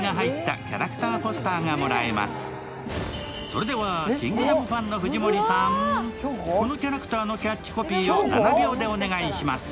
それでは「キングダム」ファンの藤森さんこのキャラクターのキャッチコピーを７秒でお願いします。